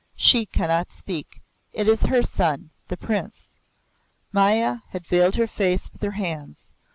"She cannot speak. It is her son the Prince." Maya had veiled her face with her hands.